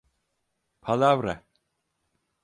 Palavra.